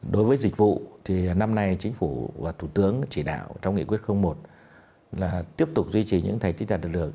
đối với dịch vụ thì năm nay chính phủ và thủ tướng chỉ đạo trong nghị quyết một là tiếp tục duy trì những thành tích đạt được lượng